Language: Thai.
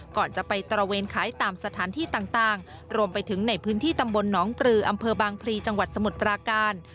ก่อนจะไปตระเวนขายตามสถานที่ต่างรวมไปถึงในพื้นที่ตำบลหนองปลืออำเภอบางพลีจังหวัดสมุทรปราการ